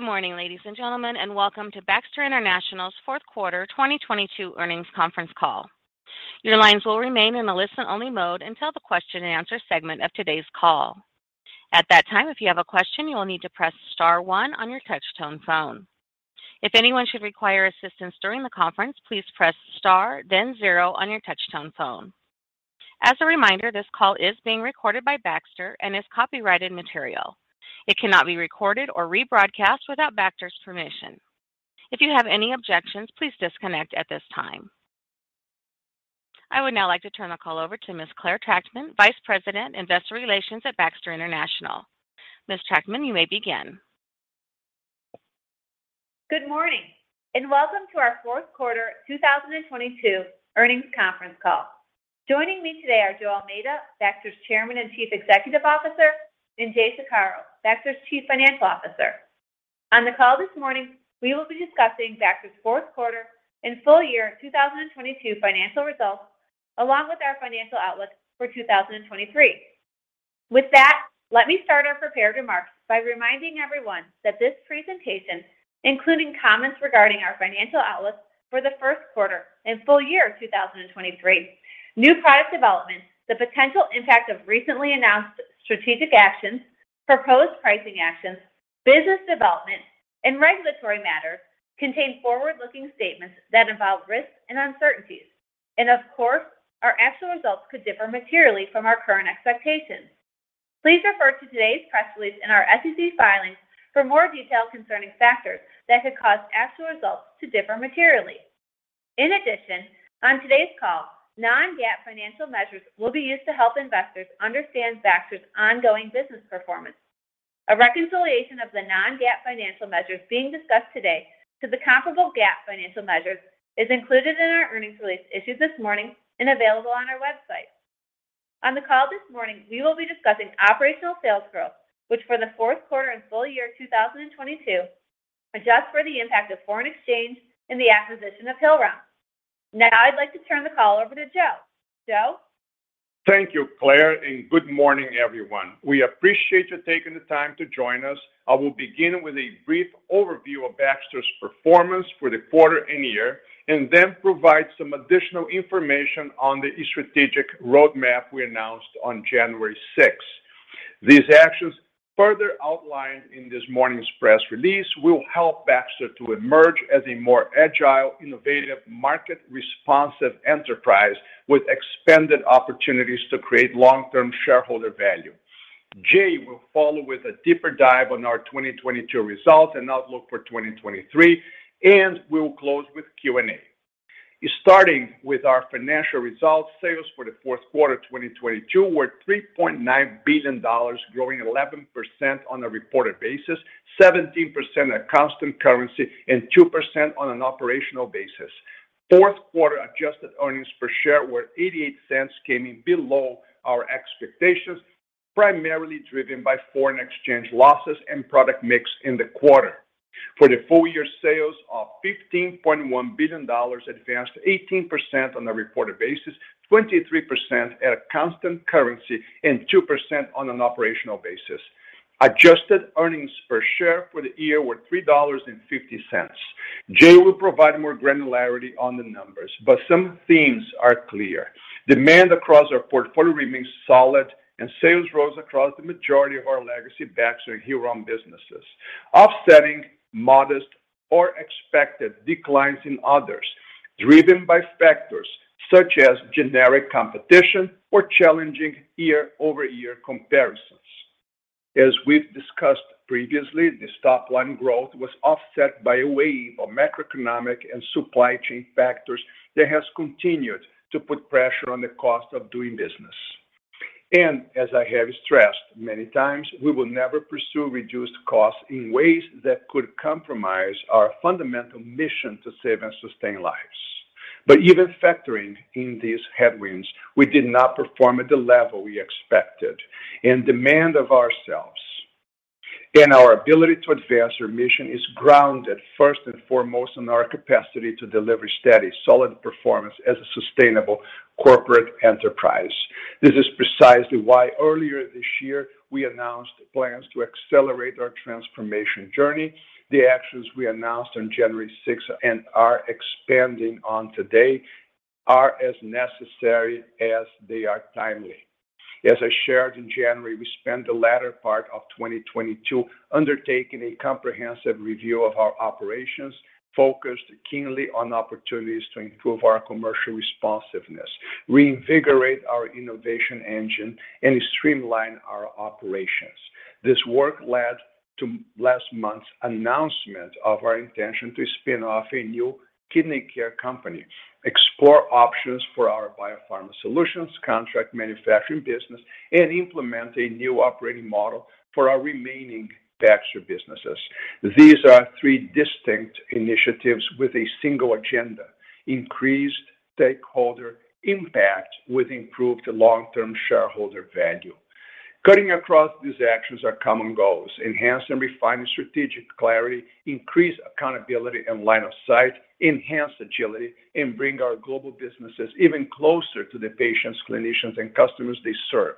Good morning, ladies and gentlemen, and welcome to Baxter International's fourth quarter 2022 earnings conference call. Your lines will remain in a listen-only mode until the question-and-answer segment of today's call. At that time, if you have a question, you will need to press star 1 on your touch-tone phone. If anyone should require assistance during the conference, please press star then 0 on your touch-tone phone. As a reminder, this call is being recorded by Baxter and is copyrighted material. It cannot be recorded or rebroadcast without Baxter's permission. If you have any objections, please disconnect at this time. I would now like to turn the call over to Ms. Clare Trachtman, Vice President, Investor Relations at Baxter International. Ms. Trachtman, you may begin. Good morning, and welcome to our fourth quarter 2022 earnings conference call. Joining me today are Joe Almeida, Baxter's Chairman and Chief Executive Officer, and James Saccaro, Baxter's Chief Financial Officer. On the call this morning, we will be discussing Baxter's fourth quarter and full year 2022 financial results, along with our financial outlook for 2023. With that, let me start our prepared remarks by reminding everyone that this presentation, including comments regarding our financial outlook for the first quarter and full year 2023, new product developments, the potential impact of recently announced strategic actions, proposed pricing actions, business development, and regulatory matters contain forward-looking statements that involve risks and uncertainties. Of course, our actual results could differ materially from our current expectations. Please refer to today's press release in our SEC filings for more details concerning factors that could cause actual results to differ materially. On today's call, non-GAAP financial measures will be used to help investors understand Baxter's ongoing business performance. A reconciliation of the non-GAAP financial measures being discussed today to the comparable GAAP financial measures is included in our earnings release issued this morning and available on our website. On the call this morning, we will be discussing operational sales growth, which for the fourth quarter and full year 2022, adjust for the impact of foreign exchange and the acquisition of Hillrom. I'd like to turn the call over to Joe. Joe? Thank you, Clare, good morning, everyone. We appreciate you taking the time to join us. I will begin with a brief overview of Baxter's performance for the quarter and year, then provide some additional information on the strategic roadmap we announced on January sixth. These actions, further outlined in this morning's press release, will help Baxter to emerge as a more agile, innovative, market-responsive enterprise with expanded opportunities to create long-term shareholder value. James will follow with a deeper dive on our 2022 results and outlook for 2023, we will close with Q&A. Starting with our financial results, sales for the fourth quarter 2022 were $3.9 billion, growing 11% on a reported basis, 17% at constant currency, and 2% on an operational basis. Fourth quarter adjusted earnings per share were $0.88, came in below our expectations, primarily driven by foreign exchange losses and product mix in the quarter. For the full year, sales of $15.1 billion advanced 18% on a reported basis, 23% at a constant currency, and 2% on an operational basis. Adjusted earnings per share for the year were $3.50. James will provide more granularity on the numbers, some themes are clear. Demand across our portfolio remains solid and sales rose across the majority of our legacy Baxter and Hill-Rom businesses. Offsetting modest or expected declines in others, driven by factors such as generic competition or challenging year-over-year comparisons. As we've discussed previously, this top line growth was offset by a wave of macroeconomic and supply chain factors that has continued to put pressure on the cost of doing business. As I have stressed many times, we will never pursue reduced costs in ways that could compromise our fundamental mission to save and sustain lives. Even factoring in these headwinds, we did not perform at the level we expected and demand of ourselves. Our ability to advance our mission is grounded first and foremost in our capacity to deliver steady, solid performance as a sustainable corporate enterprise. This is precisely why earlier this year, we announced plans to accelerate our transformation journey. The actions we announced on January sixth and are expanding on today are as necessary as they are timely. As I shared in January, we spent the latter part of 2022 undertaking a comprehensive review of our operations, focused keenly on opportunities to improve our commercial responsiveness, reinvigorate our innovation engine, and streamline our operations. This work led to last month's announcement of our intention to spin off a new kidney care company, explore options for our BioPharma Solutions contract manufacturing business, and implement a new operating model for our remaining Baxter businesses. These are three distinct initiatives with a single agenda, increased stakeholder impact with improved long-term shareholder value. Cutting across these actions are common goals, enhance and refine strategic clarity, increase accountability and line of sight, enhance agility, and bring our global businesses even closer to the patients, clinicians, and customers they serve.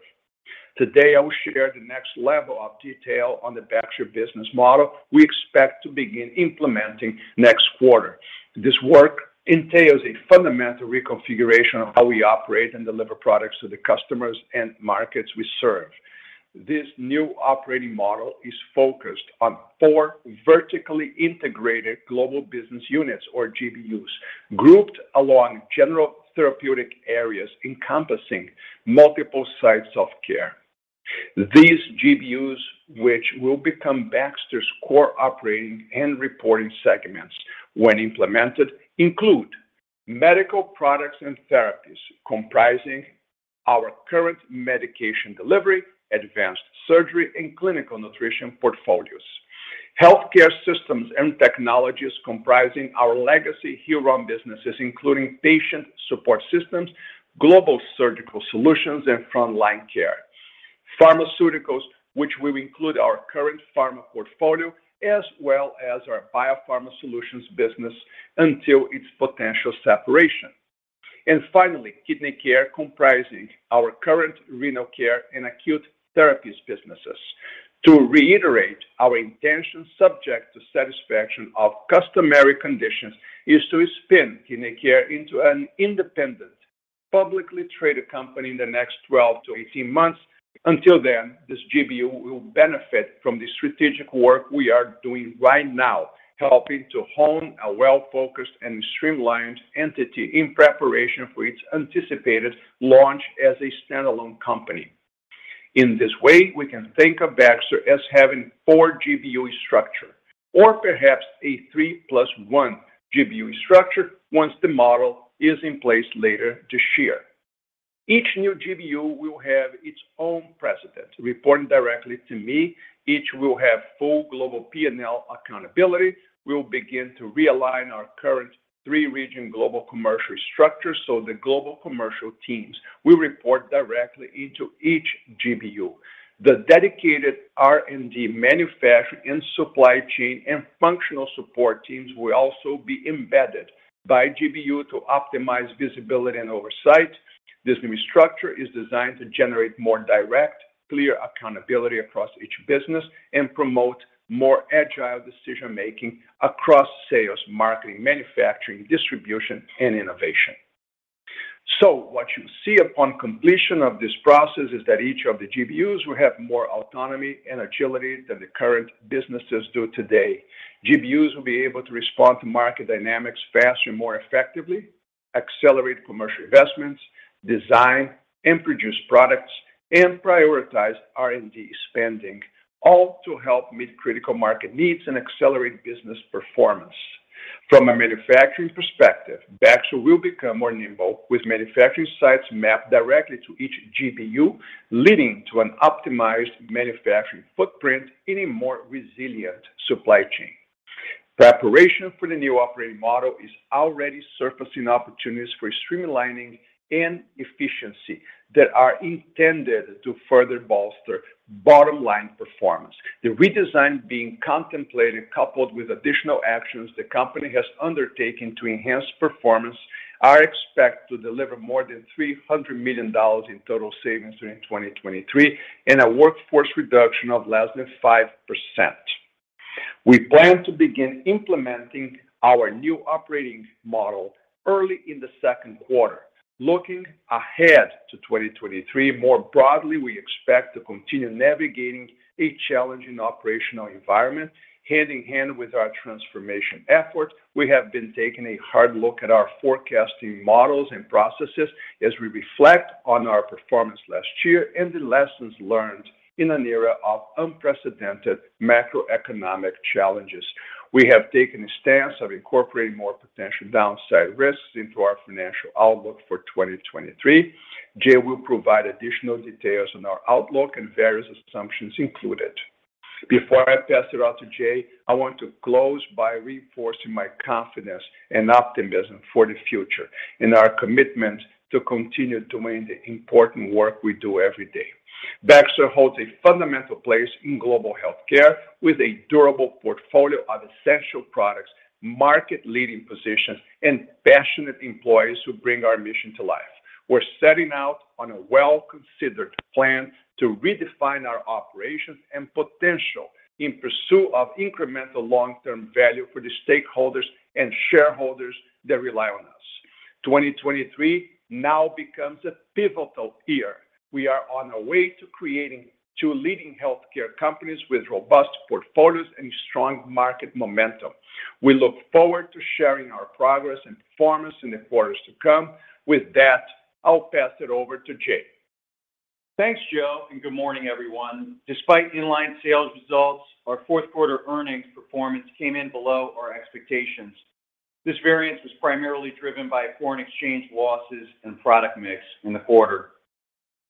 Today I will share the next level of detail on the Baxter business model we expect to begin implementing next quarter. This work entails a fundamental reconfiguration of how we operate and deliver products to the customers and markets we serve. This new operating model is focused on four vertically integrated Global Business Units or GBUs, grouped along general therapeutic areas encompassing multiple sites of care. These GBUs, which will become Baxter's core operating and reporting segments when implemented, include Medical Products and Therapies comprising our current Medication Delivery, Advanced Surgery, and Clinical Nutrition portfolios. Healthcare Systems and Technologies comprising our legacy Hillrom businesses, including Patient Support Systems, Global Surgical Solutions, and Front Line Care. Pharmaceuticals, which will include our current pharma portfolio as well as our BioPharma Solutions business until its potential separation. Finally, kidney care comprising our current renal care and acute therapies businesses. To reiterate our intention subject to satisfaction of customary conditions is to spin kidney care into an independent, publicly traded company in the next 12-18 months. Until then, this GBU will benefit from the strategic work we are doing right now, helping to hone a well-focused and streamlined entity in preparation for its anticipated launch as a standalone company. In this way, we can think of Baxter as having 4 GBU structure or perhaps a 3 plus 1 GBU structure once the model is in place later this year. Each new GBU will have its own president. Reporting directly to me, each will have full global P&L accountability, will begin to realign our current 3-region global commercial structure. The global commercial teams will report directly into each GBU. The dedicated R&D manufacture and supply chain and functional support teams will also be embedded by GBU to optimize visibility and oversight. This new structure is designed to generate more direct, clear accountability across each business and promote more agile decision-making across sales, marketing, manufacturing, distribution, and innovation. What you see upon completion of this process is that each of the GBUs will have more autonomy and agility than the current businesses do today. GBUs will be able to respond to market dynamics faster and more effectively, accelerate commercial investments, design and produce products, and prioritize R&D spending, all to help meet critical market needs and accelerate business performance. From a manufacturing perspective, Baxter will become more nimble with manufacturing sites mapped directly to each GBU, leading to an optimized manufacturing footprint in a more resilient supply chain. Preparation for the new operating model is already surfacing opportunities for streamlining and efficiency that are intended to further bolster bottom-line performance. The redesign being contemplated, coupled with additional actions the company has undertaken to enhance performance are expect to deliver more than $300 million in total savings during 2023 and a workforce reduction of less than 5%. We plan to begin implementing our new operating model early in the second quarter. Looking ahead to 2023, more broadly, we expect to continue navigating a challenging operational environment. Hand in hand with our transformation efforts, we have been taking a hard look at our forecasting models and processes as we reflect on our performance last year and the lessons learned in an era of unprecedented macroeconomic challenges. We have taken a stance of incorporating more potential downside risks into our financial outlook for 2023. James will provide additional details on our outlook and various assumptions included. Before I pass it out to James, I want to close by reinforcing my confidence and optimism for the future and our commitment to continue doing the important work we do every day. Baxter holds a fundamental place in global healthcare with a durable portfolio of essential products, market-leading positions, and passionate employees who bring our mission to life. We're setting out on a well-considered plan to redefine our operations and potential in pursuit of incremental long-term value for the stakeholders and shareholders that rely on us. 2023 now becomes a pivotal year. We are on our way to creating 2 leading healthcare companies with robust portfolios and strong market momentum. We look forward to sharing our progress and performance in the quarters to come. With that, I'll pass it over to James. Thanks, Joe. Good morning, everyone. Despite in-line sales results, our fourth quarter earnings performance came in below our expectations. This variance was primarily driven by foreign exchange losses and product mix in the quarter.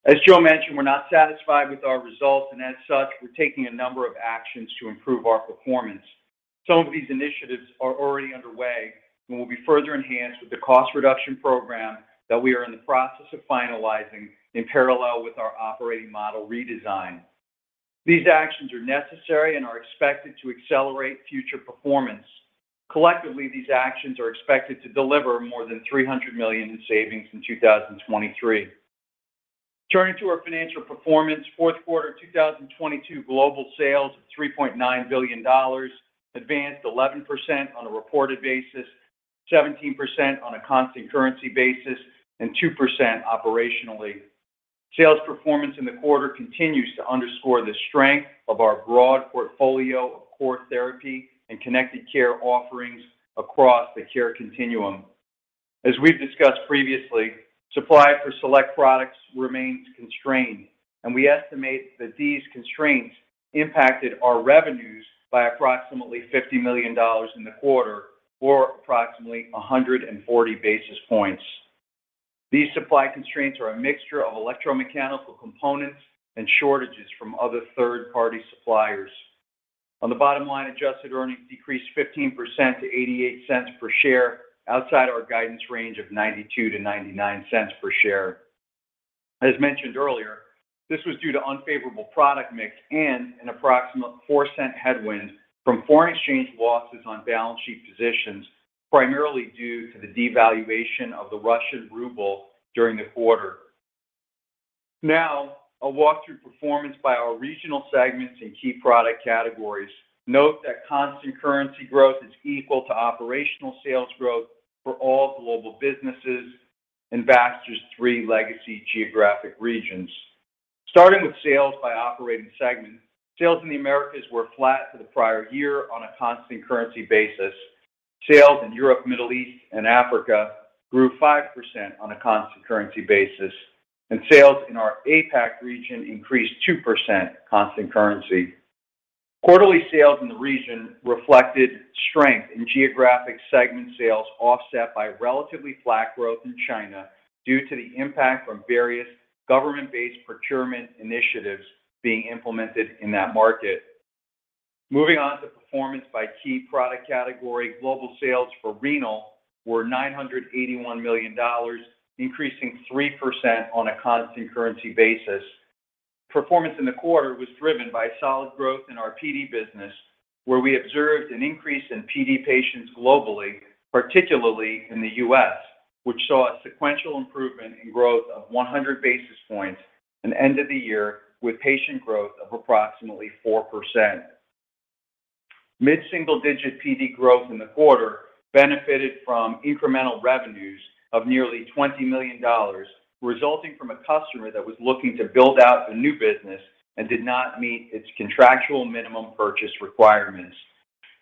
As Joe mentioned, we're not satisfied with our results, and as such, we're taking a number of actions to improve our performance. Some of these initiatives are already underway and will be further enhanced with the cost reduction program that we are in the process of finalizing in parallel with our operating model redesign. These actions are necessary and are expected to accelerate future performance. Collectively, these actions are expected to deliver more than $300 million in savings in 2023. Turning to our financial performance, fourth quarter 2022 global sales of $3.9 billion advanced 11% on a reported basis, 17% on a constant currency basis, and 2% operationally. Sales performance in the quarter continues to underscore the strength of our broad portfolio of core therapy and connected care offerings across the care continuum. As we've discussed previously, supply for select products remains constrained. We estimate that these constraints impacted our revenues by approximately $50 million in the quarter or approximately 140 basis points. These supply constraints are a mixture of electromechanical components and shortages from other third-party suppliers. On the bottom line, adjusted earnings decreased 15% to $0.88 per share outside our guidance range of $0.92-$0.99 per share. As mentioned earlier, this was due to unfavorable product mix and an approximate $0.04 headwind from foreign exchange losses on balance sheet positions, primarily due to the devaluation of the Russian ruble during the quarter. Now, I'll walk through performance by our regional segments and key product categories. Note that constant currency growth is equal to operational sales growth for all global businesses and Baxter's three legacy geographic regions. Starting with sales by operating segment, sales in the Americas were flat to the prior year on a constant currency basis. Sales in Europe, Middle East, and Africa grew 5% on a constant currency basis, and sales in our APAC region increased 2% constant currency. Quarterly sales in the region reflected strength in geographic segment sales offset by relatively flat growth in China due to the impact from various government-based procurement initiatives being implemented in that market. Moving on to performance by key product category, global sales for renal were $981 million, increasing 3% on a constant currency basis. Performance in the quarter was driven by solid growth in our PD business, where we observed an increase in PD patients globally, particularly in the U.S., which saw a sequential improvement in growth of 100 basis points and end of the year with patient growth of approximately 4%. Mid-single-digit PD growth in the quarter benefited from incremental revenues of nearly $20 million resulting from a customer that was looking to build out a new business and did not meet its contractual minimum purchase requirements.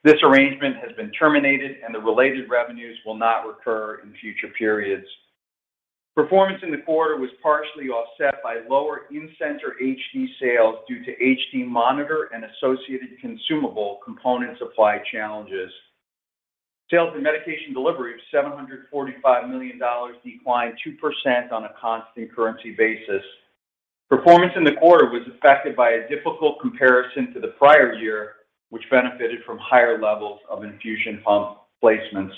This arrangement has been terminated and the related revenues will not recur in future periods. Performance in the quarter was partially offset by lower in-center HD sales due to HD monitor and associated consumable component supply challenges. Sales in medication delivery of $745 million declined 2% on a constant currency basis. Performance in the quarter was affected by a difficult comparison to the prior year, which benefited from higher levels of infusion pump placements.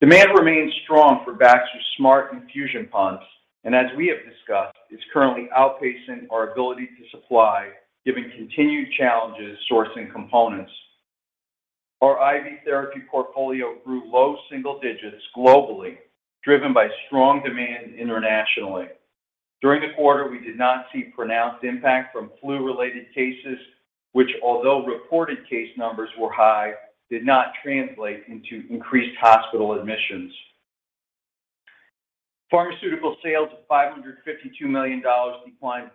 Demand remains strong for Baxter's smart infusion pumps, and as we have discussed, it's currently outpacing our ability to supply, giving continued challenges sourcing components. Our IV therapy portfolio grew low single digits globally, driven by strong demand internationally. During the quarter, we did not see pronounced impact from flu-related cases, which although reported case numbers were high, did not translate into increased hospital admissions. Pharmaceutical sales of $552 million declined 1%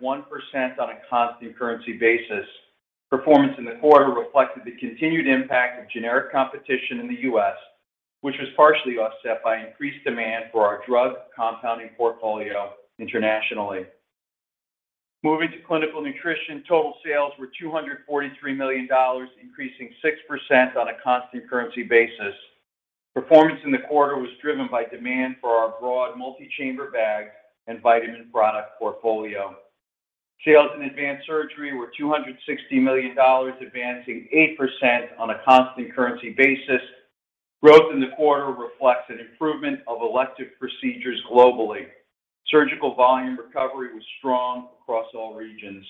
on a constant currency basis. Performance in the quarter reflected the continued impact of generic competition in the U.S., which was partially offset by increased demand for our drug compounding portfolio internationally. Moving to Clinical Nutrition, total sales were $243 million, increasing 6% on a constant currency basis. Performance in the quarter was driven by demand for our broad multi-chamber bag and vitamin product portfolio. Sales in Advanced Surgery were $260 million, advancing 8% on a constant currency basis. Growth in the quarter reflects an improvement of elective procedures globally. Surgical volume recovery was strong across all regions.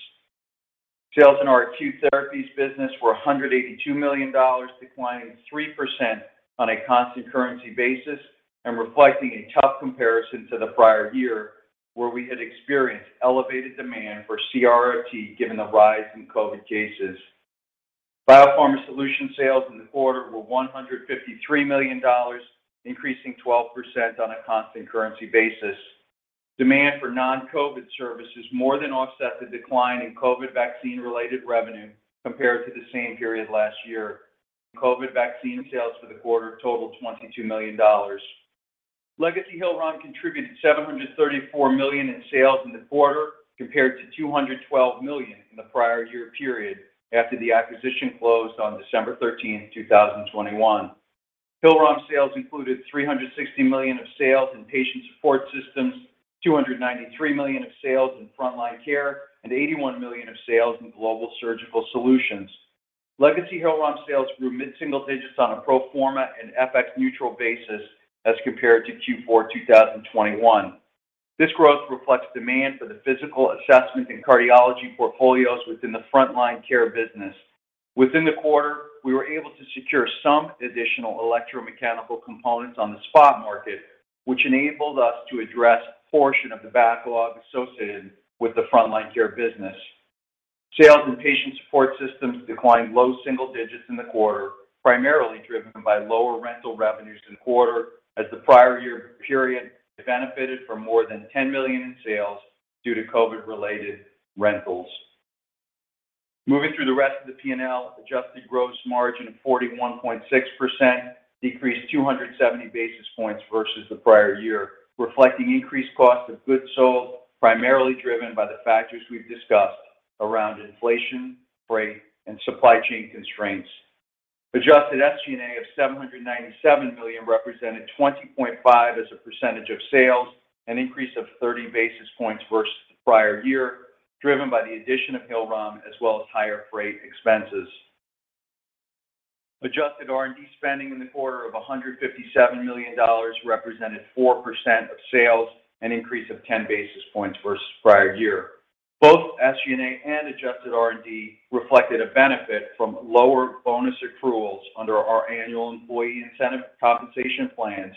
Sales in our acute therapies business were $182 million, declining 3% on a constant currency basis and reflecting a tough comparison to the prior year, where we had experienced elevated demand for CRRT, given the rise in COVID cases. BioPharma Solutions sales in the quarter were $153 million, increasing 12% on a constant currency basis. Demand for non-COVID services more than offset the decline in COVID vaccine-related revenue compared to the same period last year. COVID vaccine sales for the quarter totaled $22 million. Legacy Hillrom contributed $734 million in sales in the quarter compared to $212 million in the prior year period after the acquisition closed on December 13, 2021. Hillrom sales included $360 million of sales in Patient Support Systems, $293 million of sales in Front Line Care, and $81 million of sales in Global Surgical Solutions. Legacy Hillrom sales grew mid-single digits on a pro forma and FX neutral basis as compared to Q4 2021. This growth reflects demand for the physical assessment and cardiology portfolios within the Front Line Care business. Within the quarter, we were able to secure some additional electromechanical components on the spot market, which enabled us to address a portion of the backlog associated with the Front Line Care business. Sales and Patient Support Systems declined low single digits in the quarter, primarily driven by lower rental revenues in the quarter as the prior year period benefited from more than $10 million in sales due to COVID-related rentals. Moving through the rest of the P&L, adjusted gross margin of 41.6% decreased 270 basis points versus the prior year, reflecting increased cost of goods sold, primarily driven by the factors we've discussed around inflation, freight, and supply chain constraints. Adjusted SG&A of $797 million represented 20.5% as a percentage of sales, an increase of 30 basis points versus the prior year, driven by the addition of Hill-Rom as well as higher freight expenses. Adjusted R&D spending in the quarter of $157 million represented 4% of sales, an increase of 10 basis points versus the prior year. Both SG&A and adjusted R&D reflected a benefit from lower bonus accruals under our annual employee incentive compensation plans,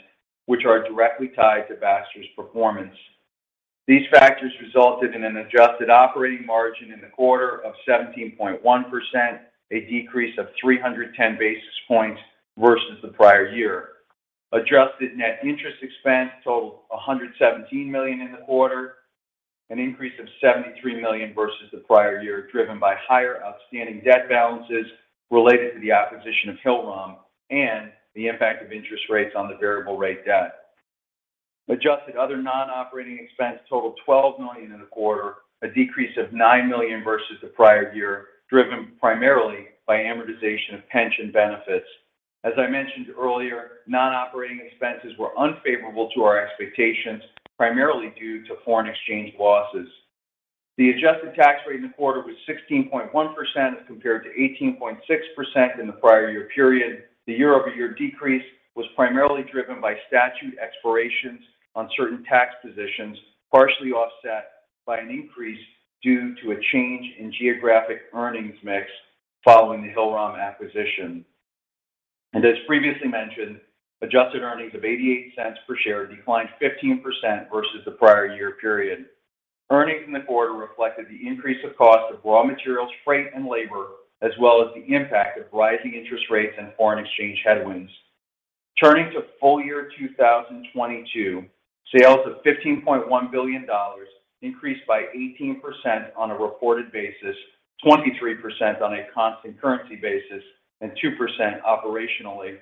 which are directly tied to Baxter's performance. These factors resulted in an adjusted operating margin in the quarter of 17.1%, a decrease of 310 basis points versus the prior year. Adjusted net interest expense totaled $117 million in the quarter, an increase of $73 million versus the prior year, driven by higher outstanding debt balances related to the acquisition of Hill-Rom, and the impact of interest rates on the variable rate debt. Adjusted other non-operating expense totaled $12 million in the quarter, a decrease of $9 million versus the prior year, driven primarily by amortization of pension benefits. As I mentioned earlier, non-operating expenses were unfavorable to our expectations, primarily due to foreign exchange losses. The adjusted tax rate in the quarter was 16.1% as compared to 18.6% in the prior year period. The year-over-year decrease was primarily driven by statute expirations on certain tax positions, partially offset by an increase due to a change in geographic earnings mix following the Hill-Rom acquisition. As previously mentioned, adjusted earnings of $0.88 per share declined 15% versus the prior year period. Earnings in the quarter reflected the increase of cost of raw materials, freight, and labor, as well as the impact of rising interest rates and foreign exchange headwinds. Turning to full year 2022, sales of $15.1 billion increased by 18% on a reported basis, 23% on a constant currency basis, and 2% operationally.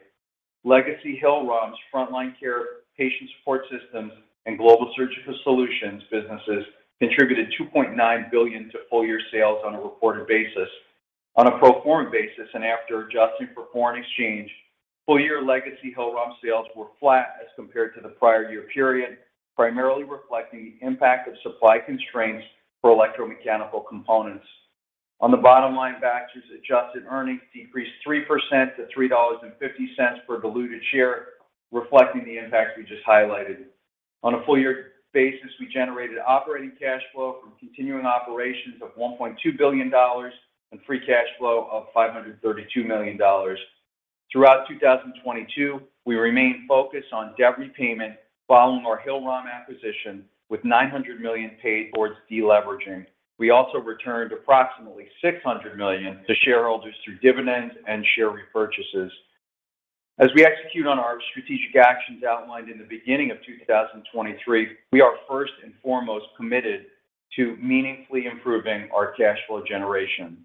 Legacy Hillrom's Front Line Care, Patient Support Systems, and Global Surgical Solutions businesses contributed $2.9 billion to full year sales on a reported basis. On a pro forma basis and after adjusting for foreign exchange, full year legacy Hillrom sales were flat as compared to the prior year period, primarily reflecting the impact of supply constraints for electromechanical components. On the bottom line, Baxter's adjusted earnings decreased 3% to $3.50 per diluted share, reflecting the impacts we just highlighted. On a full year basis, we generated operating cash flow from continuing operations of $1.2 billion and free cash flow of $532 million. Throughout 2022, we remained focused on debt repayment following our Hill-Rom acquisition with $900 million paid towards deleveraging. We also returned approximately $600 million to shareholders through dividends and share repurchases. As we execute on our strategic actions outlined in the beginning of 2023, we are first and foremost committed to meaningfully improving our cash flow generation.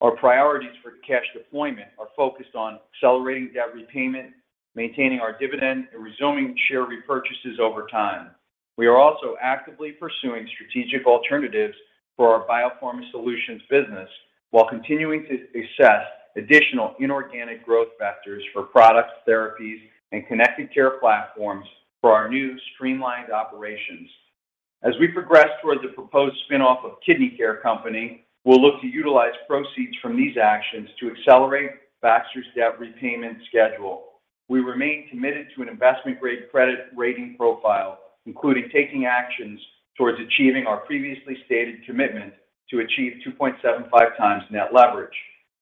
Our priorities for cash deployment are focused on accelerating debt repayment, maintaining our dividend, and resuming share repurchases over time. We are also actively pursuing strategic alternatives for our BioPharma Solutions business while continuing to assess additional inorganic growth vectors for products, therapies, and connected care platforms for our new streamlined operations. As we progress toward the proposed spin-off of Kidney Care Company, we'll look to utilize proceeds from these actions to accelerate Baxter's debt repayment schedule. We remain committed to an investment-grade credit rating profile, including taking actions towards achieving our previously stated commitment to achieve 2.75x net leverage.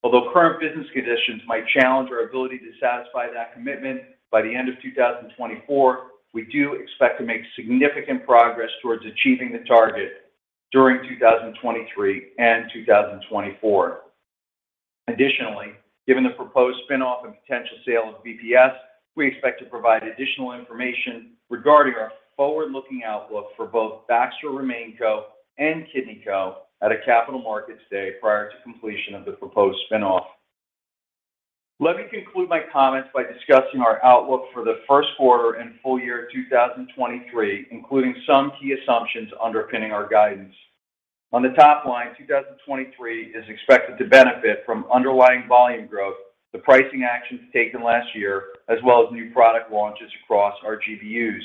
Although current business conditions might challenge our ability to satisfy that commitment by the end of 2024, we do expect to make significant progress towards achieving the target during 2023 and 2024. Additionally, given the proposed spin-off and potential sale of BPS, we expect to provide additional information regarding our forward-looking outlook for both Baxter RemainCo and KidneyCo at a capital markets day prior to completion of the proposed spin-off. Let me conclude my comments by discussing our outlook for the first quarter and full year 2023, including some key assumptions underpinning our guidance. On the top line, 2023 is expected to benefit from underlying volume growth, the pricing actions taken last year, as well as new product launches across our GBUs.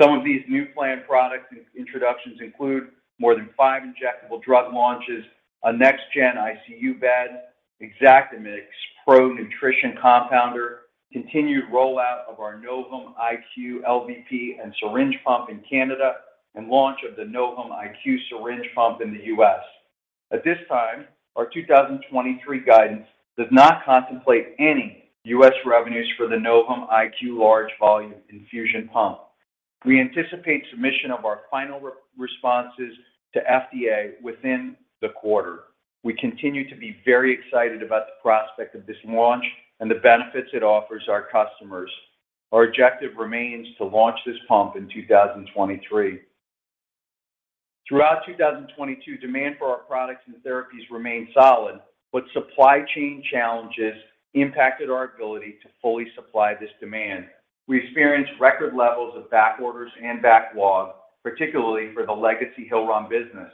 Some of these new planned product introductions include more than 5 injectable drug launches, a next gen ICU bed, ExactaMix Pro nutrition compounder. Continued rollout of our Novum IQ LVP and syringe pump in Canada, and launch of the Novum IQ syringe pump in the U.S. At this time, our 2023 guidance does not contemplate any U.S. revenues for the Novum IQ large volume infusion pump. We anticipate submission of our final re-responses to FDA within the quarter. We continue to be very excited about the prospect of this launch and the benefits it offers our customers. Our objective remains to launch this pump in 2023. Throughout 2022, demand for our products and therapies remained solid, supply chain challenges impacted our ability to fully supply this demand. We experienced record levels of backorders and backlog, particularly for the legacy Hill-Rom business.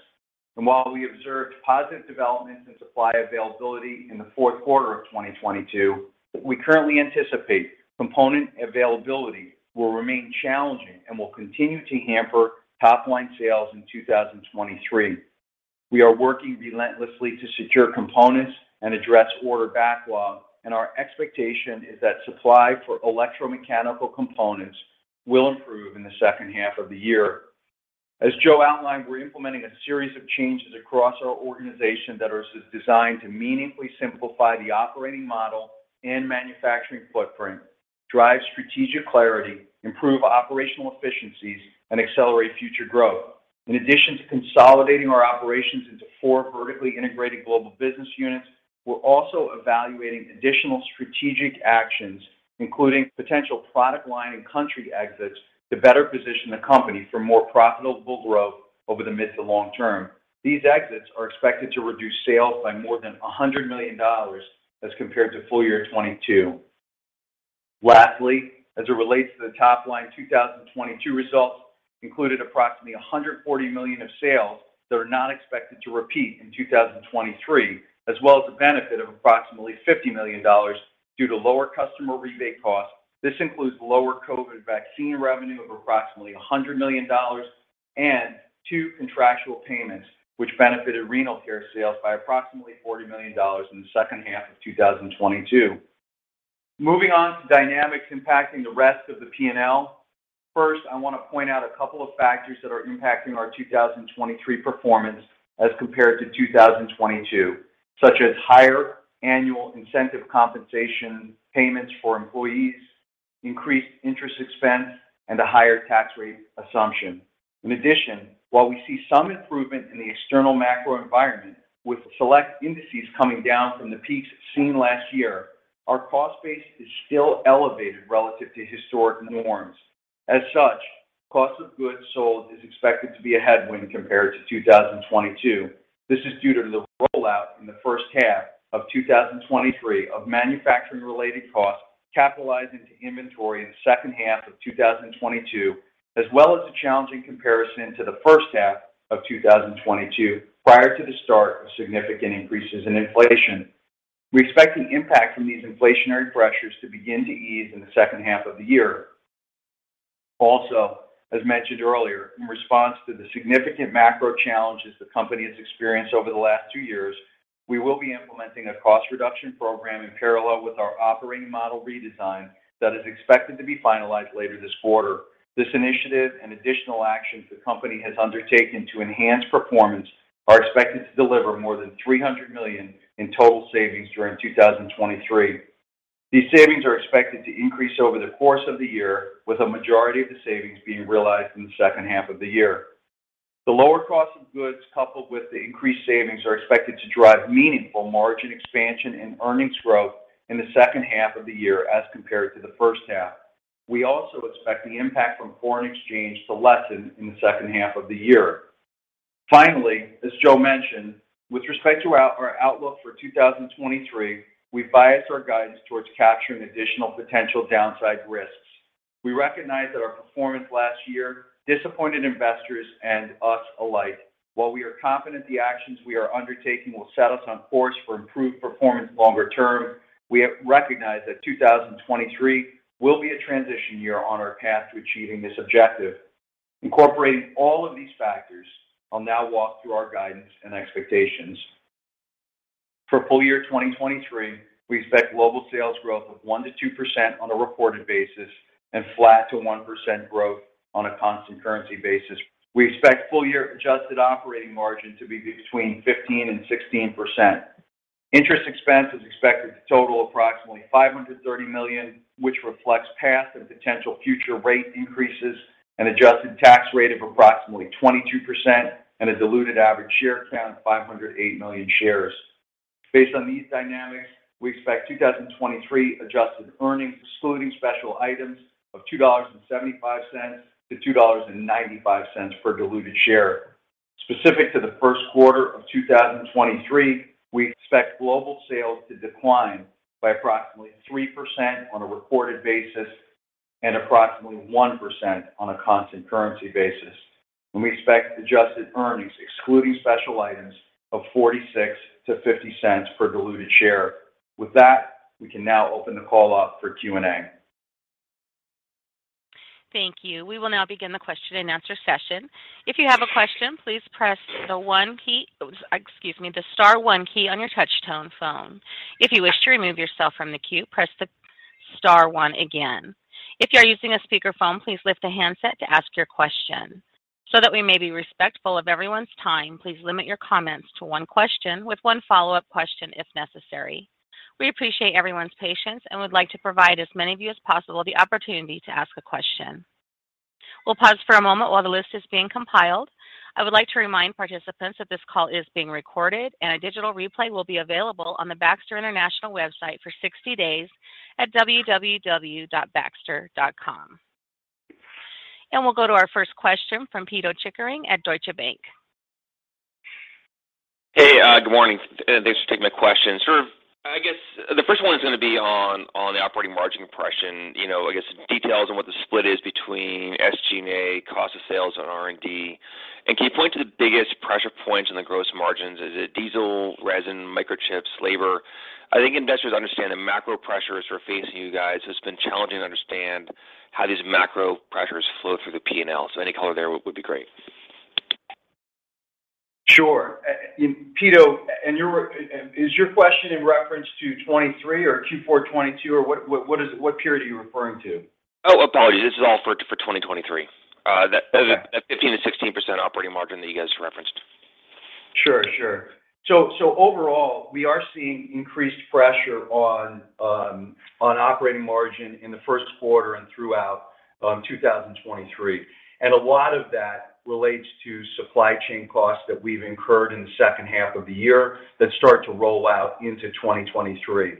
While we observed positive developments in supply availability in the fourth quarter of 2022, we currently anticipate component availability will remain challenging and will continue to hamper top line sales in 2023. We are working relentlessly to secure components and address order backlog, and our expectation is that supply for electromechanical components will improve in the second half of the year. As Joe outlined, we're implementing a series of changes across our organization that are designed to meaningfully simplify the operating model and manufacturing footprint, drive strategic clarity, improve operational efficiencies, and accelerate future growth. In addition to consolidating our operations into four vertically integrated Global Business Units, we're also evaluating additional strategic actions, including potential product line and country exits, to better position the company for more profitable growth over the mid to long term. These exits are expected to reduce sales by more than $100 million as compared to full year 2022. Lastly, as it relates to the top line, 2022 results included approximately $140 million of sales that are not expected to repeat in 2023, as well as the benefit of approximately $50 million due to lower customer rebate costs. This includes lower COVID vaccine revenue of approximately $100 million and 2 contractual payments, which benefited renal care sales by approximately $40 million in the second half of 2022. Moving on to dynamics impacting the rest of the P&L. First, I want to point out a couple of factors that are impacting our 2023 performance as compared to 2022, such as higher annual incentive compensation payments for employees, increased interest expense, and a higher tax rate assumption. While we see some improvement in the external macro environment, with select indices coming down from the peaks seen last year, our cost base is still elevated relative to historic norms. Cost of goods sold is expected to be a headwind compared to 2022. This is due to the rollout in the first half of 2023 of manufacturing-related costs capitalized into inventory in the second half of 2022, as well as the challenging comparison to the first half of 2022 prior to the start of significant increases in inflation. We expect the impact from these inflationary pressures to begin to ease in the second half of the year. As mentioned earlier, in response to the significant macro challenges the company has experienced over the last two years, we will be implementing a cost reduction program in parallel with our operating model redesign that is expected to be finalized later this quarter. This initiative and additional actions the company has undertaken to enhance performance are expected to deliver more than $300 million in total savings during 2023. These savings are expected to increase over the course of the year, with a majority of the savings being realized in the second half of the year. The lower cost of goods, coupled with the increased savings, are expected to drive meaningful margin expansion and earnings growth in the second half of the year as compared to the first half. We also expect the impact from foreign exchange to lessen in the second half of the year. As Joe mentioned, with respect to our outlook for 2023, we bias our guidance towards capturing additional potential downside risks. We recognize that our performance last year disappointed investors and us alike. While we are confident the actions we are undertaking will set us on course for improved performance longer term, we recognize that 2023 will be a transition year on our path to achieving this objective. Incorporating all of these factors, I'll now walk through our guidance and expectations. For full year 2023, we expect global sales growth of 1%-2% on a reported basis and flat to 1% growth on a constant currency basis. We expect full year adjusted operating margin to be between 15% and 16%. Interest expense is expected to total approximately $530 million, which reflects past and potential future rate increases, an adjusted tax rate of approximately 22%, and a diluted average share count of 508 million shares. Based on these dynamics, we expect 2023 adjusted earnings, excluding special items, of $2.75-$2.95 per diluted share. Specific to the first quarter of 2023, we expect global sales to decline by approximately 3% on a reported basis and approximately 1% on a constant currency basis. We expect adjusted earnings, excluding special items, of $0.46-$0.50 per diluted share. With that, we can now open the call up for Q&A. Thank you. We will now begin the question-and-answer session. If you have a question, please press the star one key on your touch-tone phone. If you wish to remove yourself from the queue, press the star one again. If you are using a speakerphone, please lift the handset to ask your question. That we may be respectful of everyone's time, please limit your comments to one question with one follow-up question, if necessary. We appreciate everyone's patience and would like to provide as many of you as possible the opportunity to ask a question. We'll pause for a moment while the list is being compiled. I would like to remind participants that this call is being recorded and a digital replay will be available on the Baxter International website for 60 days at www.baxter.com. We'll go to our first question from Pito Chickering at Deutsche Bank. Hey, good morning. Thanks for taking my question. Sort of, I guess the first one is gonna be on the operating margin compression. You know, I guess details on what the split is between SG&A, cost of sales, and R&D. Can you point to the biggest pressure points in the gross margins? Is it diesel, resin, microchips, labor? I think investors understand the macro pressures are facing you guys. It's been challenging to understand how these macro pressures flow through the P&L. Any color there would be great. Sure. Pito, is your question in reference to 23 or Q4 2022, or what is it? What period are you referring to? Oh, apologies. This is all for 2023. Okay... that 15%-16% operating margin that you guys referenced. Sure. Overall, we are seeing increased pressure on operating margin in the first quarter and throughout 2023. A lot of that relates to supply chain costs that we've incurred in the second half of the year that start to roll out into 2023.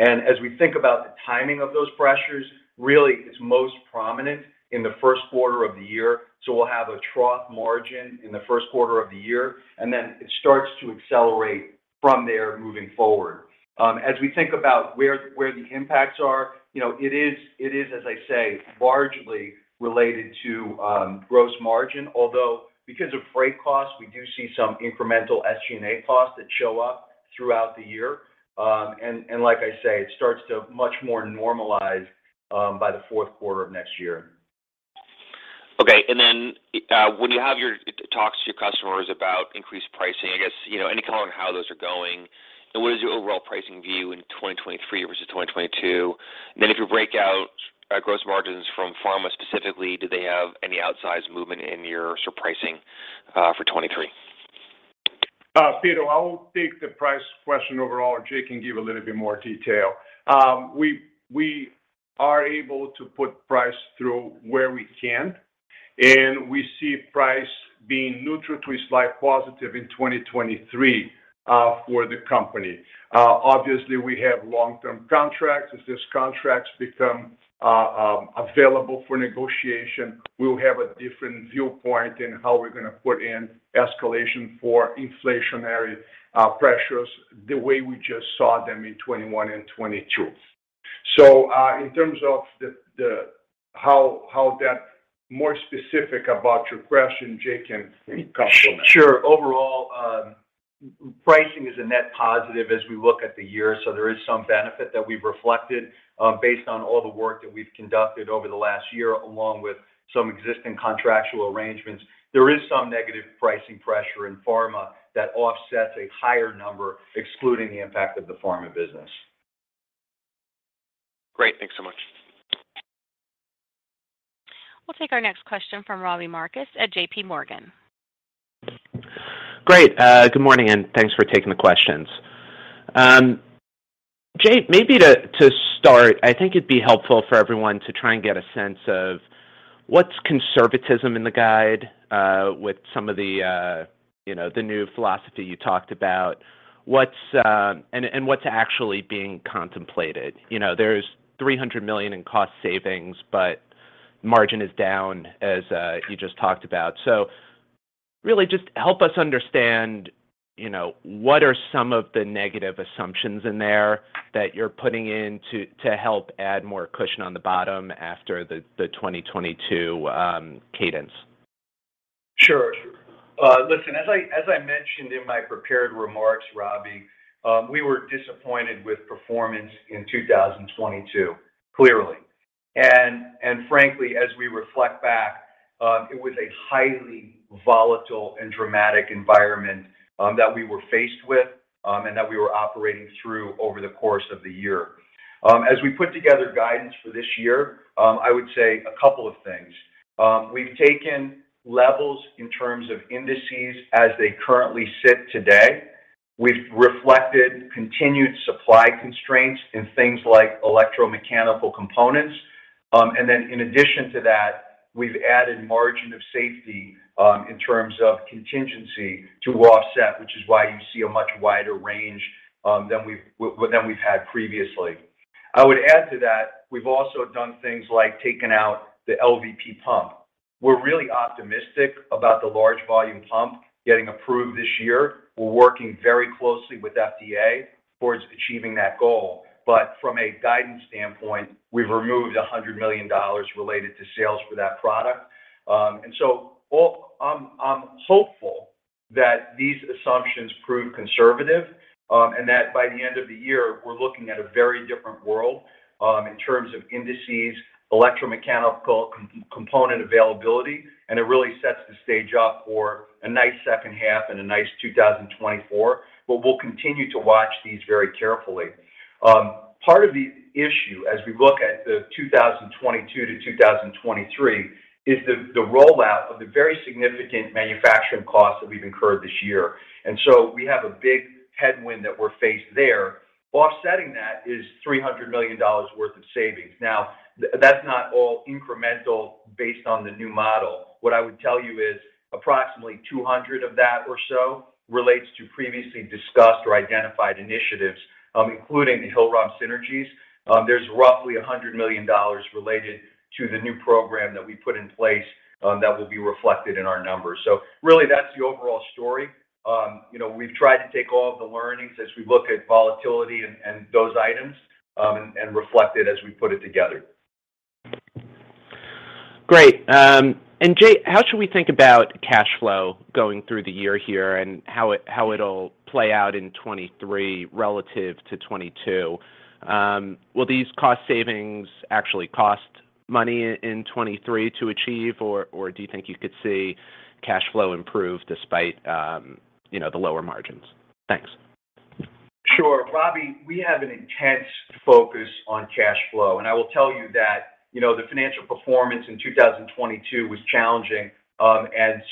As we think about the timing of those pressures, really it's most prominent in the first quarter of the year. We'll have a trough margin in the first quarter of the year, and then it starts to accelerate from there moving forward. As we think about where the impacts are, you know, it is, as I say, largely related to gross margin. Although because of freight costs, we do see some incremental SG&A costs that show up throughout the year. Like I say, it starts to much more normalize by the fourth quarter of next year. Okay. Then, when you have your talks to your customers about increased pricing, I guess, you know, any color on how those are going, and what is your overall pricing view in 2023 versus 2022? If you break out, gross margins from pharma specifically, do they have any outsized movement in your pricing, for 2023? Pito, I'll take the price question overall. James can give a little bit more detail. We are able to put price through where we can, and we see price being neutral to a slight positive in 2023, for the company. Obviously, we have long-term contracts. As these contracts become available for negotiation, we'll have a different viewpoint in how we're gonna put in escalation for inflationary pressures the way we just saw them in 2021 and 2022. In terms of how that more specific about your question, James can complement. Sure. Overall, pricing is a net positive as we look at the year. There is some benefit that we've reflected, based on all the work that we've conducted over the last year, along with some existing contractual arrangements. There is some negative pricing pressure in pharma that offsets a higher number, excluding the impact of the pharma business. Great. Thanks so much. We'll take our next question from Robbie Marcus at J.P. Morgan. Great. Good morning, thanks for taking the questions. James, maybe to start, I think it'd be helpful for everyone to try and get a sense of what's conservatism in the guide, with some of the, you know, the new philosophy you talked about. What's actually being contemplated? You know, there's $300 million in cost savings, but margin is down as you just talked about. Really just help us understand, you know, what are some of the negative assumptions in there that you're putting in to help add more cushion on the bottom after the 2022 cadence. Sure. Listen, as I mentioned in my prepared remarks, Robbie, we were disappointed with performance in 2022, clearly. Frankly, as we reflect back, it was a highly volatile and dramatic environment that we were faced with, and that we were operating through over the course of the year. As we put together guidance for this year, I would say a couple of things. We've taken levels in terms of indices as they currently sit today. We've reflected continued supply constraints in things like electromechanical components. Then in addition to that, we've added margin of safety, in terms of contingency to offset, which is why you see a much wider range than we've had previously. I would add to that, we've also done things like taken out the LVP pump. We're really optimistic about the large volume pump getting approved this year. We're working very closely with FDA towards achieving that goal. From a guidance standpoint, we've removed $100 million related to sales for that product. I'm hopeful that these assumptions prove conservative, and that by the end of the year, we're looking at a very different world, in terms of indices, electromechanical component availability, and it really sets the stage up for a nice second half and a nice 2024. We'll continue to watch these very carefully. part of the issue as we look at the 2022 to 2023 is the rollout of the very significant manufacturing costs that we've incurred this year. We have a big headwind that we're faced there. Offsetting that is $300 million worth of savings. That's not all incremental based on the new model. What I would tell you is approximately $200 of that or so relates to previously discussed or identified initiatives, including the Hill-Rom synergies. There's roughly $100 million related to the new program that we put in place, that will be reflected in our numbers. Really that's the overall story. You know, we've tried to take all of the learnings as we look at volatility and those items, and reflect it as we put it together. Great. James, how should we think about cash flow going through the year here and how it'll play out in 2023 relative to 2022? Will these cost savings actually cost money in 2023 to achieve, or do you think you could see cash flow improve despite, you know, the lower margins? Thanks. Sure. Robbie, we have an intense focus on cash flow. I will tell you that, you know, the financial performance in 2022 was challenging,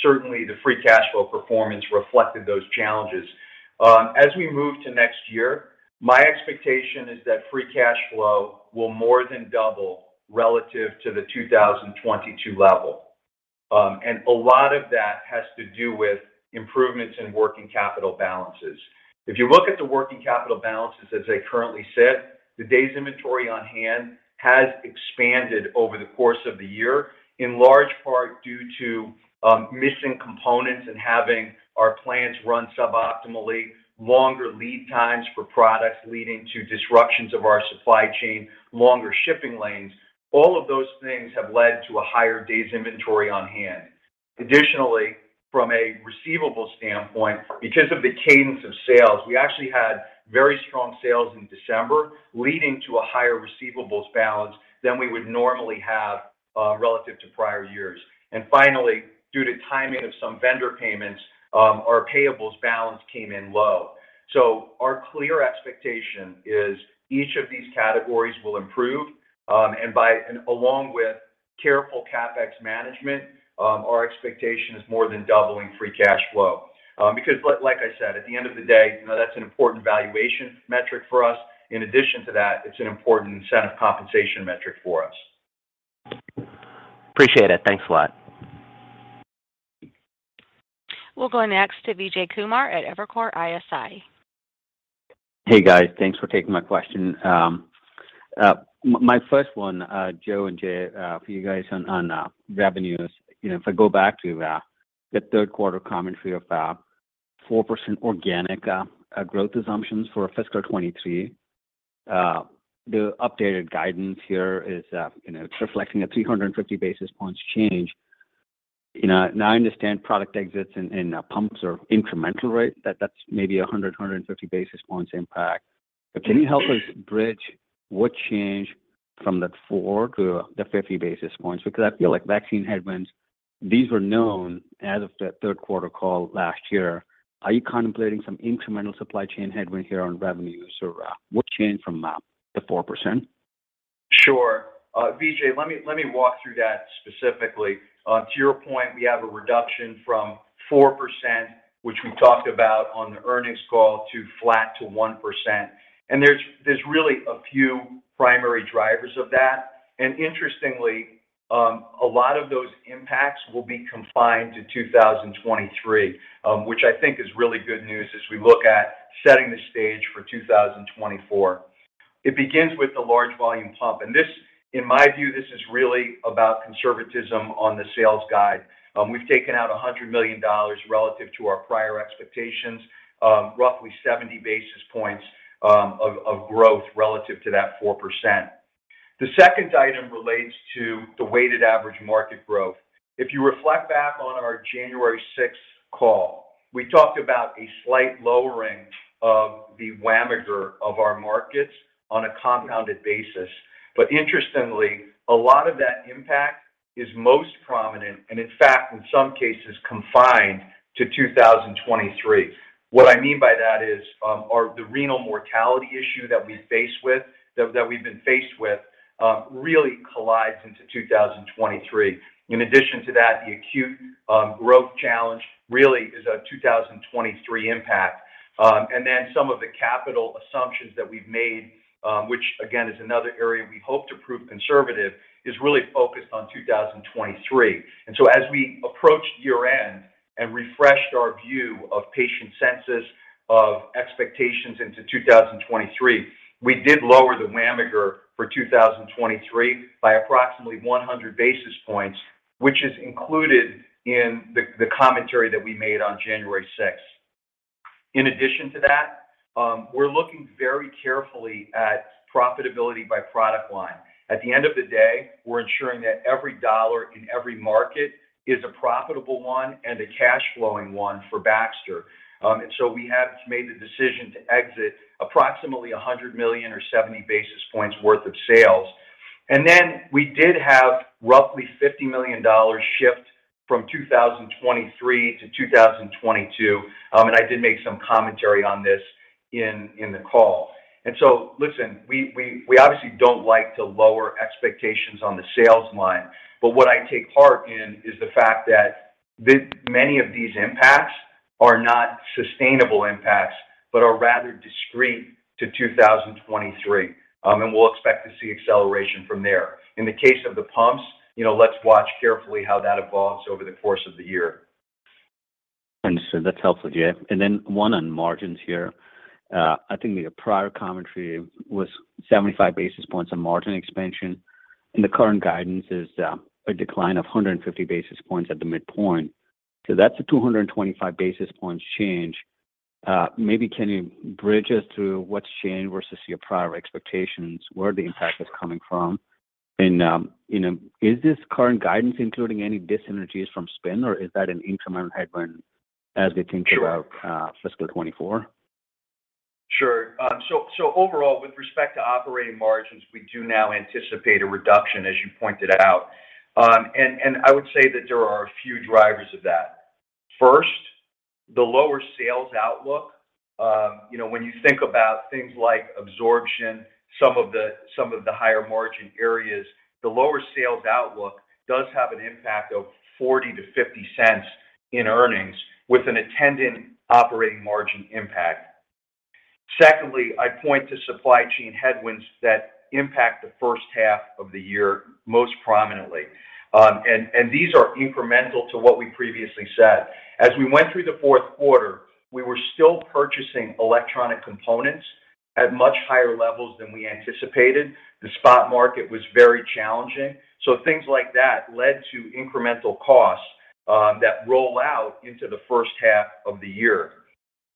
certainly the free cash flow performance reflected those challenges. As we move to next year, my expectation is that free cash flow will more than double relative to the 2022 level. A lot of that has to do with improvements in working capital balances. If you look at the working capital balances as they currently sit, the days inventory on hand has expanded over the course of the year, in large part due to missing components and having our plants run suboptimally, longer lead times for products leading to disruptions of our supply chain, longer shipping lanes. All of those things have led to a higher days inventory on hand. Additionally, from a receivable standpoint, because of the cadence of sales, we actually had very strong sales in December, leading to a higher receivables balance than we would normally have, relative to prior years. Finally, due to timing of some vendor payments, our payables balance came in low. Our clear expectation is each of these categories will improve, and along with careful CapEx management, our expectation is more than doubling free cash flow. Because like I said, at the end of the day, you know, that's an important valuation metric for us. In addition to that, it's an important incentive compensation metric for us. Appreciate it. Thanks a lot. We'll go next to ViJames Kumar at Evercore ISI. Hey, guys. Thanks for taking my question. My first one, Joe and James, for you guys on revenues. You know, if I go back to the third quarter commentary of 4% organic growth assumptions for fiscal 2023. The updated guidance here is, you know, it's reflecting a 350 basis points change. You know, now I understand product exits and pumps are incremental rate. That's maybe a 150 basis points impact. Can you help us bridge what changed from that 4% to the 50 basis points? I feel like vaccine headwinds, these were known as of the third quarter call last year. Are you contemplating some incremental supply chain headwind here on revenues, or what changed from the 4%? Sure. ViJames, let me walk through that specifically. To your point, we have a reduction from 4%, which we talked about on the earnings call to flat to 1%. There's really a few primary drivers of that. Interestingly, a lot of those impacts will be confined to 2023, which I think is really good news as we look at setting the stage for 2024. It begins with the large volume pump. This, in my view, this is really about conservatism on the sales guide. We've taken out $100 million relative to our prior expectations, roughly 70 basis points of growth relative to that 4%. The second item relates to the weighted average market growth. If you reflect back on our January sixth call, we talked about a slight lowering of the WAMGR of our markets on a compounded basis. Interestingly, a lot of that impact is most prominent, and in fact, in some cases, confined to 2023. What I mean by that is, the renal mortality issue that we've been faced with, really collides into 2023. In addition to that, the acute growth challenge really is a 2023 impact. Some of the capital assumptions that we've made, which again is another area we hope to prove conservative, is really focused on 2023. As we approach year-end and refreshed our view of patient census of expectations into 2023, we did lower the WAMGR for 2023 by approximately 100 basis points, which is included in the commentary that we made on January 6. In addition to that, we're looking very carefully at profitability by product line. At the end of the day, we're ensuring that every dollar in every market is a profitable one and a cash flowing one for Baxter. So we have made the decision to exit approximately $100 million or 70 basis points worth of sales. Then we did have roughly $50 million shift from 2023 to 2022. And I did make some commentary on this in the call. listen, we obviously don't like to lower expectations on the sales line. What I take heart in is the fact that many of these impacts are not sustainable impacts, but are rather discrete to 2023. We'll expect to see acceleration from there. In the case of the pumps, you know, let's watch carefully how that evolves over the course of the year. Understood. That's helpful, yeah. Then one on margins here. I think the prior commentary was 75 basis points on margin expansion, and the current guidance is a decline of 150 basis points at the midpoint. That's a 225 basis points change. Maybe can you bridge us through what's changed versus your prior expectations, where the impact is coming from? you know, is this current guidance including any dyssenergies from spin or is that an incremental headwind as we think about- Sure... fiscal 2024? Sure. Overall, with respect to operating margins, we do now anticipate a reduction, as you pointed out. I would say that there are a few drivers of that. First, the lower sales outlook, you know, when you think about things like absorption, some of the higher margin areas, the lower sales outlook does have an impact of $0.40-$0.50 in earnings with an attendant operating margin impact. Secondly, I point to supply chain headwinds that impact the first half of the year most prominently. These are incremental to what we previously said. As we went through the fourth quarter, we were still purchasing electronic components at much higher levels than we anticipated. The spot market was very challenging. Things like that led to incremental costs that roll out into the first half of the year.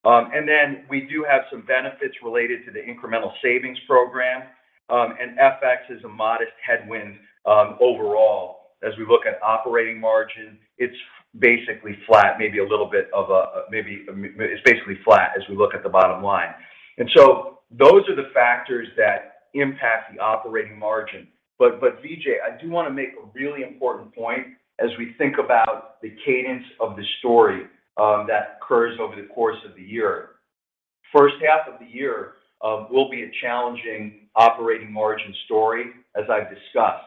Then we do have some benefits related to the incremental savings program, and FX is a modest headwind overall. As we look at operating margin, it's basically flat as we look at the bottom line. Those are the factors that impact the operating margin. ViJames, I do want to make a really important point as we think about the cadence of the story that occurs over the course of the year. First half of the year will be a challenging operating margin story, as I've discussed.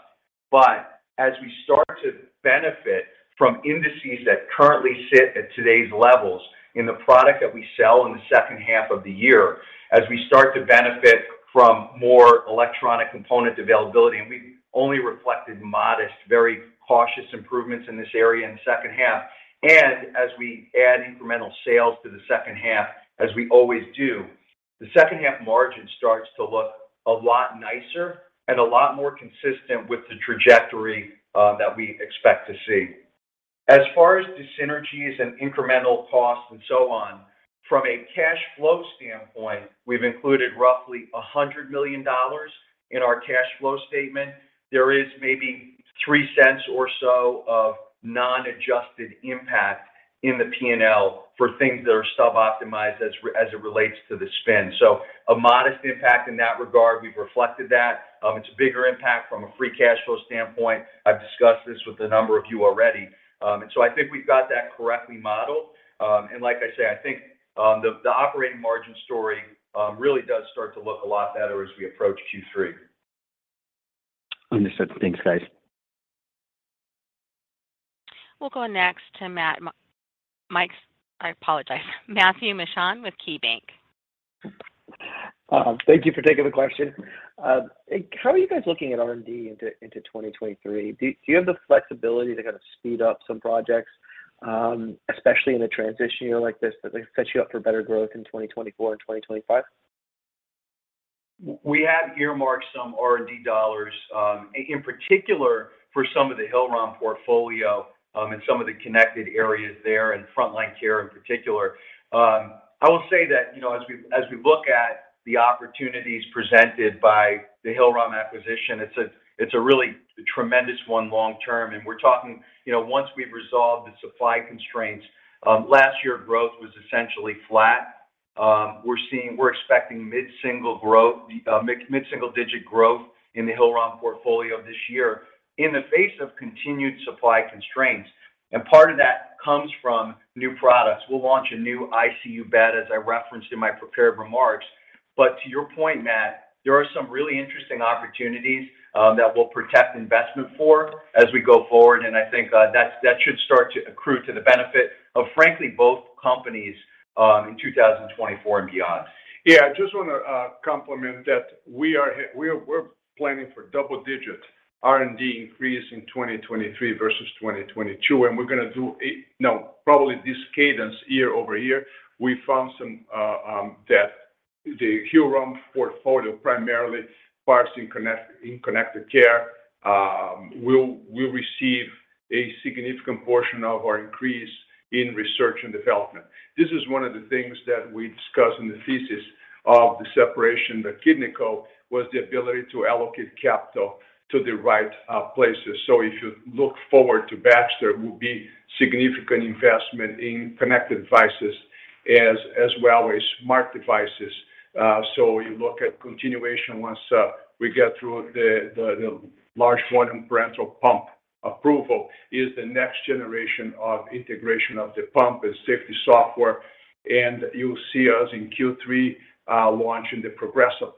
As we start to benefit from indices that currently sit at today's levels in the product that we sell in the second half of the year, as we start to benefit from more electronic component availability, and we've only reflected modest, very cautious improvements in this area in the second half. As we add incremental sales to the second half, as we always do, the second half margin starts to look a lot nicer and a lot more consistent with the trajectory that we expect to see. As far as dyssynergies and incremental costs and so on, from a cash flow standpoint, we've included roughly $100 million in our cash flow statement. There is maybe $0.03 or so of non-adjusted impact in the P&L for things that are sub-optimized as it relates to the spin. A modest impact in that regard. We've reflected that. It's a bigger impact from a free cash flow standpoint. I've discussed this with a number of you already. I think we've got that correctly modeled. I think, the operating margin story really does start to look a lot better as we approach Q3. Understood. Thanks, guys. We'll go next to I apologize. Matthew Mishan with KeyBank. Thank you for taking the question. How are you guys looking at R&D into 2023? Do you have the flexibility to kind of speed up some projects, especially in a transition year like this that may set you up for better growth in 2024 and 2025? We have earmarked some R&D dollars, in particular for some of the Hill-Rom portfolio, and some of the connected areas there and Front Line Care in particular. I will say that, you know, as we, as we look at the opportunities presented by the Hill-Rom acquisition, it's a, it's a really tremendous one long term. We're talking, you know, once we've resolved the supply constraints, last year growth was essentially flat. We're expecting mid-single growth, mid-single digit growth in the Hill-Rom portfolio this year in the face of continued supply constraints. Part of that comes from new products. We'll launch a new ICU bed, as I referenced in my prepared remarks. To your point, Matt, there are some really interesting opportunities, that we'll protect investment for as we go forward. I think that should start to accrue to the benefit of, frankly, both companies, in 2024 and beyond. Yeah, I just want to complement that we're planning for double-digit R&D increase in 2023 versus 2022, we're going to do. Probably this cadence year over year, we found some that The Hill-Rom portfolio primarily parts in connect, in connected care, will receive a significant portion of our increase in research and development. This is one of the things that we discussed in the thesis of the separation that KidneyCo was the ability to allocate capital to the right places. If you look forward to Baxter will be significant investment in connected devices as well as smart devices. You look at continuation once we get through the large volume parenteral pump approval is the next generation of integration of the pump and safety software. You'll see us in Q3, launching the Progressa+.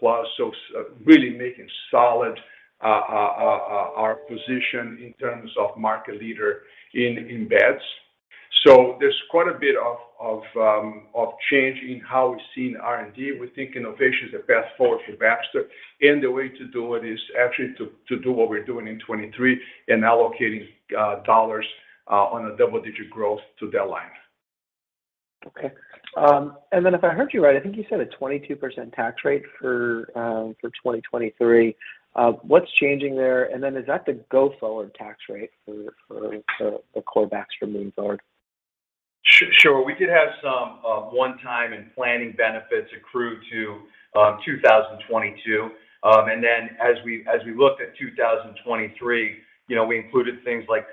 Really making solid our position in terms of market leader in beds. There's quite a bit of change in how we've seen R&D. We think innovation is the best forward for Baxter, and the way to do it is actually to do what we're doing in 2023 and allocating dollars on a double-digit growth to that line. Okay. If I heard you right, I think you said a 22% tax rate for 2023. What's changing there? Is that the go-forward tax rate for the core Baxter moving forward? Sure. We did have some one-time and planning benefits accrue to 2022. As we looked at 2023, you know, we included things like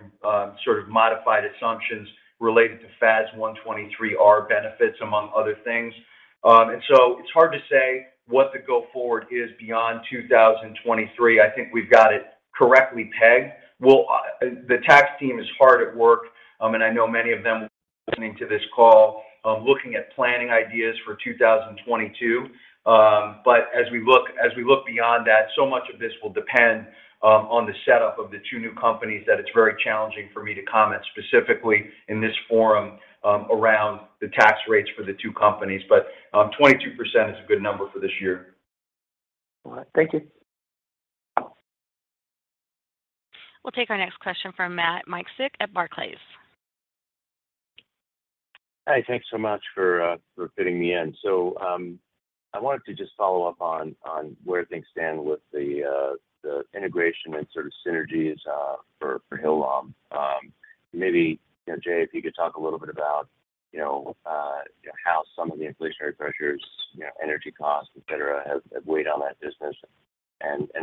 sort of modified assumptions related to FAS 123(R) benefits among other things. It's hard to say what the go forward is beyond 2023. I think we've got it correctly pegged. Well, the tax team is hard at work, and I know many of them listening to this call, looking at planning ideas for 2022. As we look beyond that, so much of this will depend on the setup of the two new companies that it's very challenging for me to comment specifically in this forum around the tax rates for the two companies. 22% is a good number for this year. All right. Thank you. We'll take our next question from Matt Miksic at Barclays. Hi. Thanks so much for fitting me in. I wanted to just follow up on where things stand with the integration and sort of synergies for Hillrom. Maybe, you know, James, if you could talk a little bit about, you know, how some of the inflationary pressures, you know, energy costs, et cetera, have weighed on that business.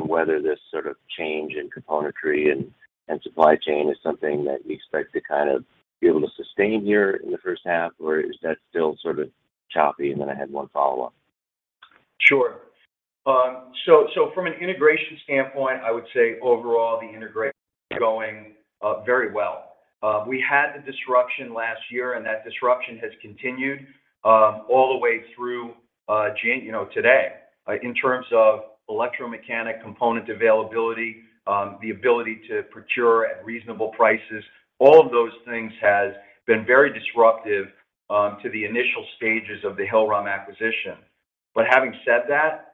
Whether this sort of change in componentry and supply chain is something that we expect to kind of be able to sustain here in the 1st half, or is that still sort of choppy? I had 1 follow-up. Sure. From an integration standpoint, I would say overall the integration going very well. We had the disruption last year, and that disruption has continued all the way through you know, today. In terms of electromechanical component availability, the ability to procure at reasonable prices, all of those things has been very disruptive to the initial stages of the Hillrom acquisition. Having said that,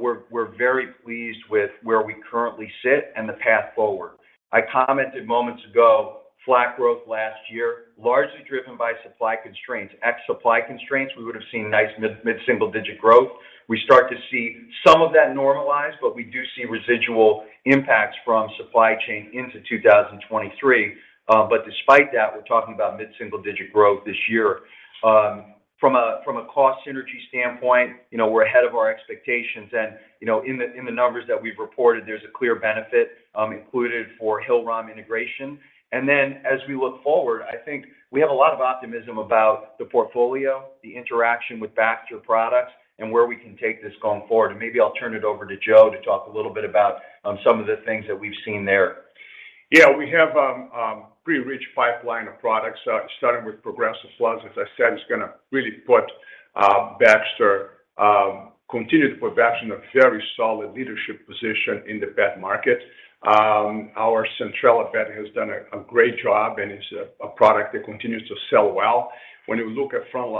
we're very pleased with where we currently sit and the path forward. I commented moments ago, flat growth last year, largely driven by supply constraints. Ex supply constraints, we would have seen nice mid-single digit growth. We start to see some of that normalize, but we do see residual impacts from supply chain into 2023. Despite that, we're talking about mid-single digit growth this year. From a cost synergy standpoint, you know, we're ahead of our expectations and, you know, in the numbers that we've reported, there's a clear benefit included for Hillrom integration. As we look forward, I think we have a lot of optimism about the portfolio, the interaction with Baxter products and where we can take this going forward. Maybe I'll turn it over to Joe to talk a little bit about some of the things that we've seen there. We have a pretty rich pipeline of products, starting with Progressa+, as I said, is gonna really continue to put Baxter in a very solid leadership position in the bed market. Our Centrella bed has done a great job and it's a product that continues to sell well. When you look at Front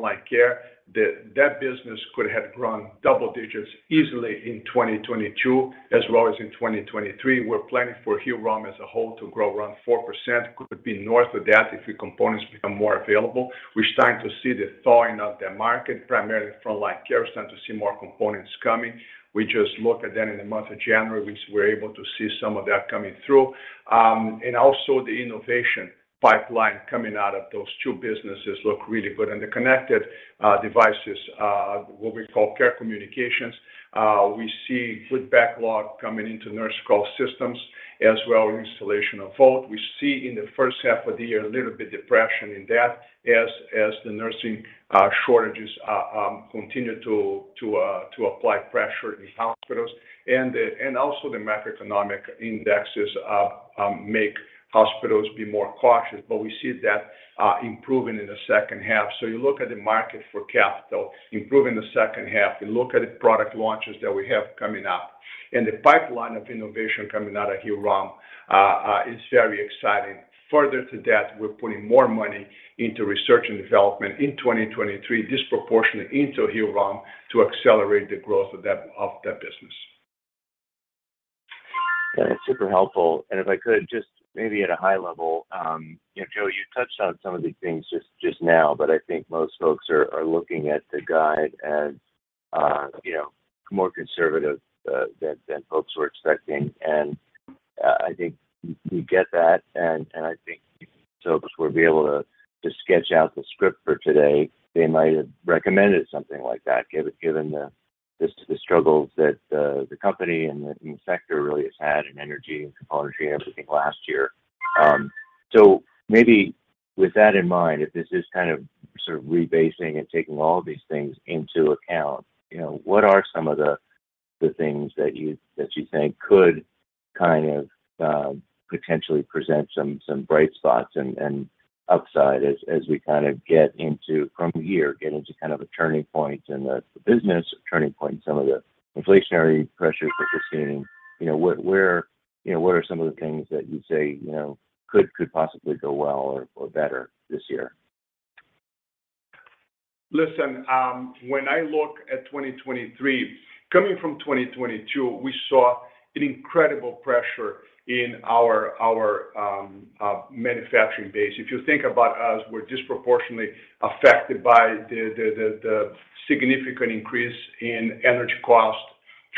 Line Care, that business could have grown double digits easily in 2022 as well as in 2023. We're planning for Hillrom as a whole to grow around 4%. Could be north of that if the components become more available. We're starting to see the thawing of the market, primarily Front Line Care starting to see more components coming. We just look at that in the month of January, which we're able to see some of that coming through. Also the innovation pipeline coming out of those two businesses look really good. The connected devices, what we call Care Communications, we see good backlog coming into Nurse Call Systems as well, installation of both. We see in the first half of the year a little bit depression in that as the nursing shortages continue to apply pressure in hospitals. Also the macroeconomic indexes make hospitals be more cautious. We see that improving in the second half. You look at the market for capital, improving the second half, you look at the product launches that we have coming up, and the pipeline of innovation coming out of Hillrom is very exciting. Further to that, we're putting more money into R&D in 2023, disproportionately into Hillrom to accelerate the growth of that business. That's super helpful. If I could just maybe at a high level, you know, Joe, you touched on some of these things just now, but I think most folks are looking at the guide as, you know, more conservative than folks were expecting. I think we get that, and I think folks will be able to sketch out the script for today. They might have recommended something like that given the struggles that the company and the sector really has had in energy and commodity everything last year. Maybe with that in mind, if this is kind of sort of rebasing and taking all these things into account, you know, what are some of the things that you think could kind of potentially present some bright spots and upside as we kind of get into from here, get into kind of a turning point in the business, a turning point in some of the inflationary pressures that we're seeing. You know, what are some of the things that you'd say, you know, could possibly go well or better this year? Listen, when I look at 2023, coming from 2022, we saw an incredible pressure in our manufacturing base. If you think about us, we're disproportionately affected by the significant increase in energy cost.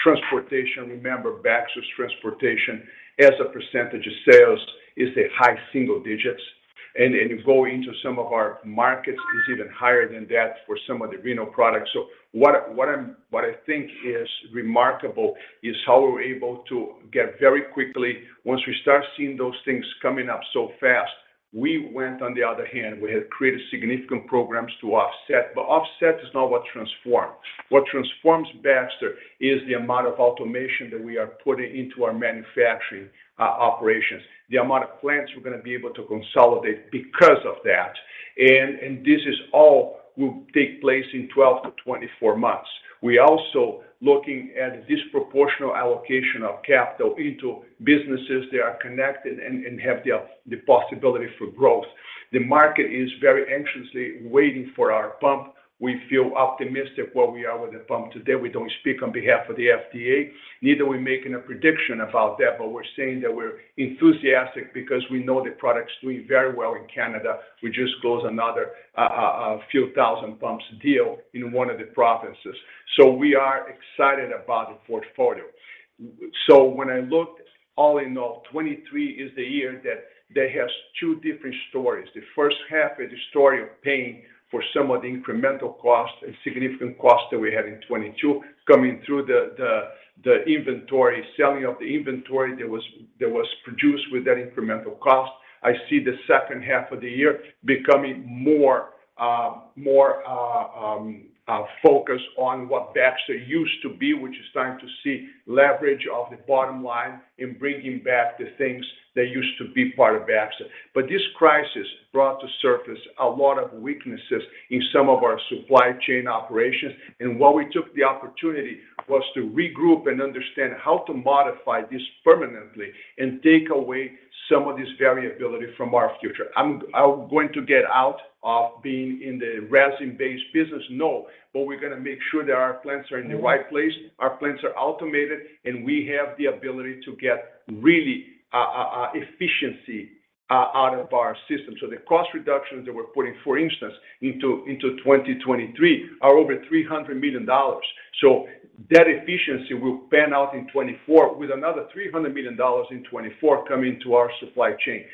Transportation, remember, Baxter's transportation as a percentage of sales is a high single digits. You go into some of our markets is even higher than that for some of the renal products. What I think is remarkable is how we're able to get very quickly. Once we start seeing those things coming up so fast, we went on the other hand. We had created significant programs to offset, but offset is not what transforms. What transforms Baxter is the amount of automation that we are putting into our manufacturing operations, the amount of plants we're gonna be able to consolidate because of that. This is all will take place in 12-24 months. We also looking at disproportional allocation of capital into businesses that are connected and have the possibility for growth. The market is very anxiously waiting for our pump. We feel optimistic where we are with the pump today. We don't speak on behalf of the FDA, neither are we making a prediction about that, but we're saying that we're enthusiastic because we know the product's doing very well in Canada. We just closed another a few thousand pumps deal in one of the provinces. We are excited about the portfolio. When I look all in all, 23 is the year that there has two different stories. The first half is the story of paying for some of the incremental cost and significant cost that we had in 2022. Coming through selling of the inventory that was produced with that incremental cost. I see the second half of the year becoming more focused on what Baxter used to be, which is starting to see leverage of the bottom line in bringing back the things that used to be part of Baxter. This crisis brought to surface a lot of weaknesses in some of our supply chain operations. While we took the opportunity was to regroup and understand how to modify this permanently and take away some of this variability from our future. Are we going to get out of being in the resin-based business? No. We're gonna make sure that our plants are in the right place, our plants are automated, and we have the ability to get really efficiency out of our system. The cost reductions that we're putting, for instance, into 2023 are over $300 million. That efficiency will pan out in 2024 with another $300 million in 2024 coming to our supply chain.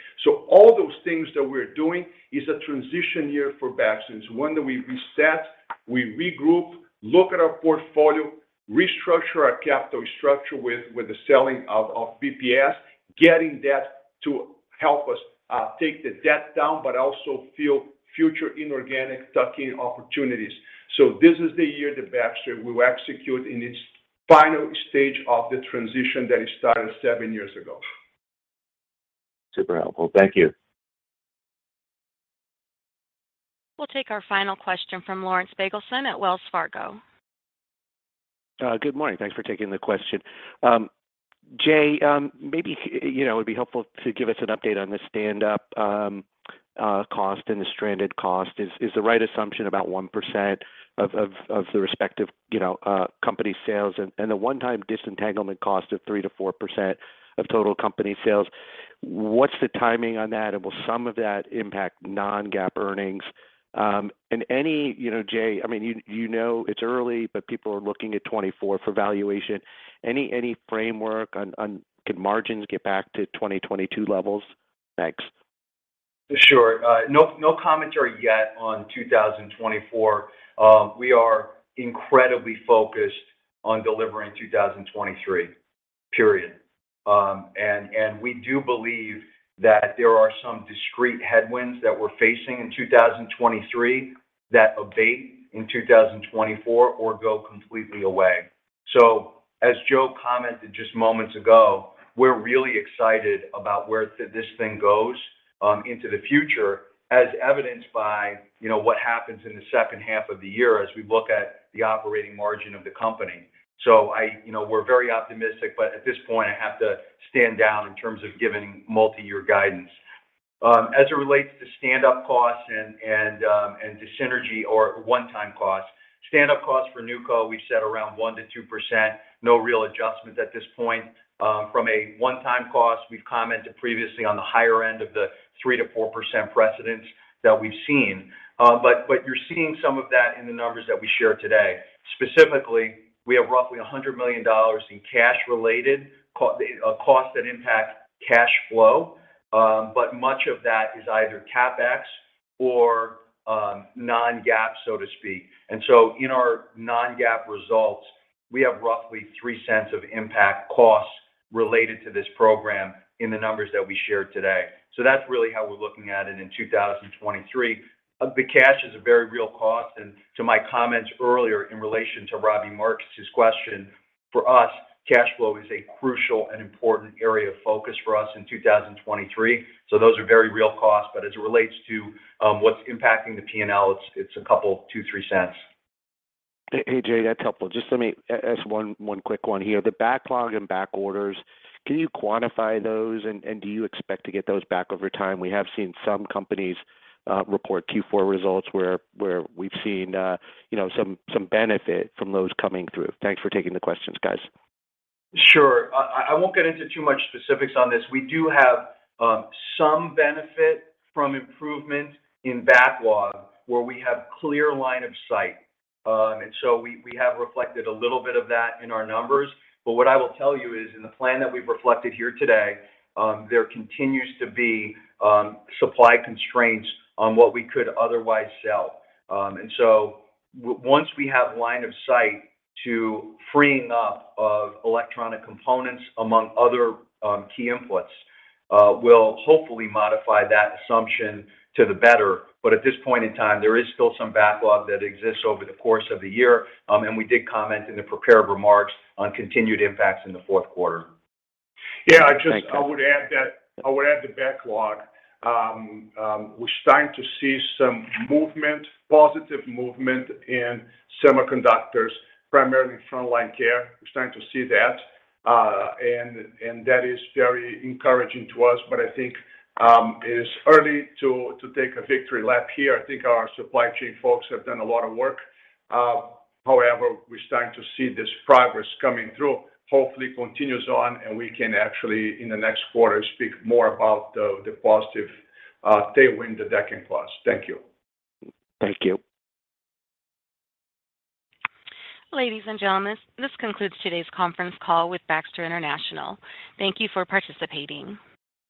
All those things that we're doing is a transition year for Baxter. It's one that we reset, we regroup, look at our portfolio, restructure our capital structure with the selling of BPS, getting that to help us take the debt down, but also fuel future inorganic tuck-in opportunities. This is the year that Baxter will execute in its final stage of the transition that it started seven years ago. Super helpful. Thank you. We'll take our final question from Lawrence Biegelsen at Wells Fargo. Good morning. Thanks for taking the question. James, maybe, you know, it'd be helpful to give us an update on the stand up cost and the stranded cost. Is the right assumption about 1% of the respective company sales and the one-time disentanglement cost of 3%-4% of total company sales? What's the timing on that? Will some of that impact non-GAAP earnings? Any, you know, James, I mean, you know it's early, but people are looking at 2024 for valuation. Any framework on can margins get back to 2022 levels? Thanks. Sure. No, no commentary yet on 2024. We are incredibly focused on delivering 2023, period. We do believe that there are some discrete headwinds that we're facing in 2023 that abate in 2024 or go completely away. As Joe commented just moments ago, we're really excited about where this thing goes into the future, as evidenced by, you know, what happens in the second half of the year as we look at the operating margin of the company. I-- you know, we're very optimistic, but at this point, I have to stand down in terms of giving multi-year guidance. As it relates to standup costs and to synergy or one-time costs. Standup costs for NewCo, we've said around 1%-2%, no real adjustment at this point. From a one-time cost, we've commented previously on the higher end of the 3%-4% precedents that we've seen. You're seeing some of that in the numbers that we shared today. Specifically, we have roughly $100 million in cash related costs that impact cash flow. Much of that is either CapEx or non-GAAP, so to speak. In our non-GAAP results, we have roughly $0.03 of impact costs related to this program in the numbers that we shared today. That's really how we're looking at it in 2023. The cash is a very real cost, and to my comments earlier in relation to Robbie Marcus' question, for us, cash flow is a crucial and important area of focus for us in 2023. Those are very real costs. As it relates to, what's impacting the P&L, it's a couple $0.02-$0.03. Hey, James, that's helpful. Just let me ask one quick one here. The backlog and back orders, can you quantify those and do you expect to get those back over time? We have seen some companies report Q4 results where we've seen, you know, some benefit from those coming through. Thanks for taking the questions, guys. Sure. I won't get into too much specifics on this. We do have some benefit from improvement in backlog where we have clear line of sight. We have reflected a little bit of that in our numbers. What I will tell you is in the plan that we've reflected here today, there continues to be supply constraints on what we could otherwise sell. Once we have line of sight to freeing up of electronic components among other key inputs, we'll hopefully modify that assumption to the better. At this point in time, there is still some backlog that exists over the course of the year. We did comment in the prepared remarks on continued impacts in the fourth quarter. Thank you. Yeah. I would add the backlog. We're starting to see some movement, positive movement in semiconductors, primarily Front Line Care. We're starting to see that, and that is very encouraging to us. I think it is early to take a victory lap here. I think our supply chain folks have done a lot of work. However, we're starting to see this progress coming through, hopefully continues on, and we can actually in the next quarter speak more about the positive tailwind that that can cause. Thank you. Thank you. Ladies and gentlemen, this concludes today's conference call with Baxter International. Thank you for participating.